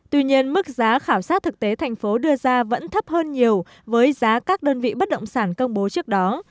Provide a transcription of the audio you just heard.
tuy nhiên mức giá khảo sát thực tế thành phố đưa ra vẫn thấp hơn nhiều với giá các đơn vị bất động sản công bố trước đó